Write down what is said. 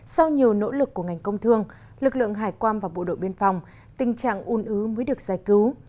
sau nhiều nỗ lực của ngành công thương lực lượng hải quan và bộ đội biên phòng tình trạng un ứ mới được giải cứu